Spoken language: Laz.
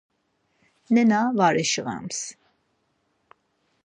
Nena var eşimels.